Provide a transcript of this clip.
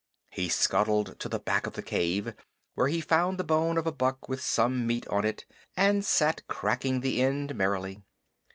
He scuttled to the back of the cave, where he found the bone of a buck with some meat on it, and sat cracking the end merrily.